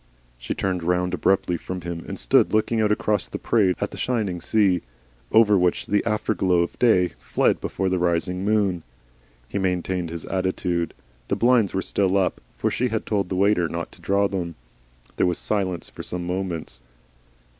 She turned round abruptly from him and stood looking out across the parade at the shining sea over which the afterglow of day fled before the rising moon. He maintained his attitude. The blinds were still up, for she had told the waiter not to draw them. There was silence for some moments.